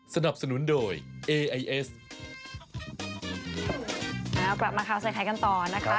กลับมาครับใส่คล้ายกันต่อนะคะ